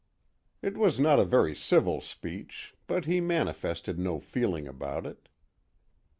It was not a very civil speech, but he manifested no feeling about it.